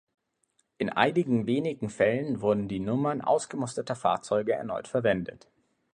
In einigen wenigen Fällen wurden die Nummern ausgemusterter Fahrzeuge erneut verwendet.